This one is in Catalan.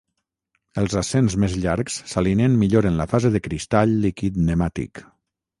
Els acens més llargs s'alineen millor en la fase de cristall líquid nemàtic.